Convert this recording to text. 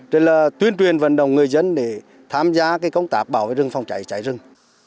rồi là tuyên truyền vận động người dân để tham gia công tác bảo vệ rừng phòng cháy cháy rừng